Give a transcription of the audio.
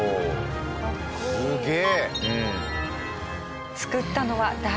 すげえ！